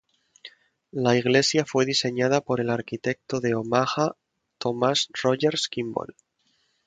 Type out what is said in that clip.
La iglesia fue diseñada por el arquitecto de Omaha Thomas Rogers Kimball.